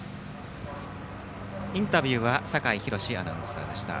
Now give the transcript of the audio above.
インタビューは酒井博司アナウンサーでした。